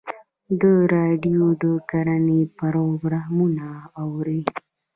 د راډیو د کرنې پروګرامونه اورئ؟